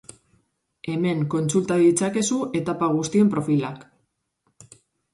Hemen kontsulta ditzakezu etapa guztien profilak.